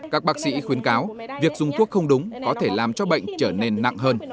các bác sĩ khuyến cáo việc dùng thuốc không đúng có thể làm cho bệnh trở nên nặng hơn